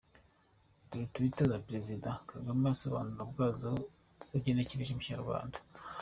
Dore twitter za Perezida Kagame n’ubusobanuro bwazo ugenekereje mu kinyarwanda: